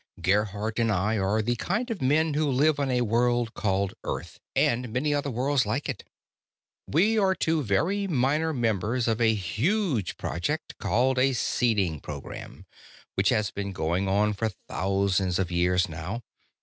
Gerhardt and I are the kind of men who live on a world called Earth, and many other worlds like it. We are two very minor members of a huge project called a 'seeding program', which has been going on for thousands of years now.